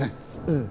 うん。